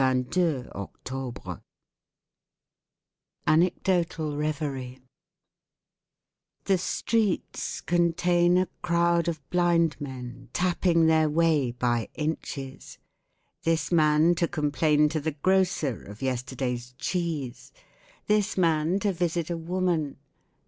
(22 octobre) Anecdotal Revery The streets contain a crowd Of blind men tapping their way By inches— This man to complain to the grocer Of yesterday's cheese. This man to visit a woman.